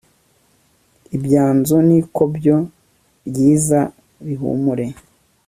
ibyanzu n'ikobyo ryiza bihumure